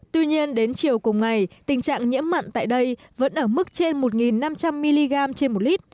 tuy nhiên đến chiều cùng ngày tình trạng nhiễm mặn tại đây vẫn ở mức trên một năm trăm linh mg trên một lít